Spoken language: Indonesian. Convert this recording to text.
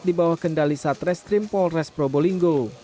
di bawah kendali satreskrim polres probolinggo